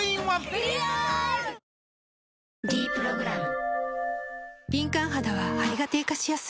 「ｄプログラム」